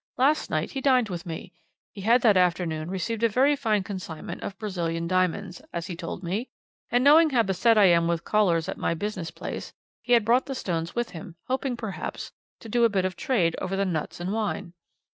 Last night he dined with me. He had that afternoon received a very fine consignment of Brazilian diamonds, as he told me, and knowing how beset I am with callers at my business place, he had brought the stones with him, hoping, perhaps, to do a bit of trade over the nuts and wine.